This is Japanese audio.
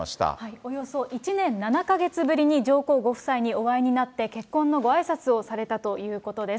およそ１年７か月ぶりに上皇ご夫妻にお会いになって、結婚のごあいさつをされたということです。